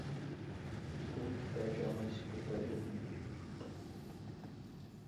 O Wikipédia é uma enciclopédia livre